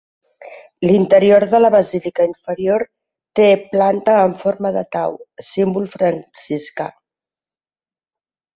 L'interior de la basílica inferior té planta amb forma de Tau, símbol franciscà.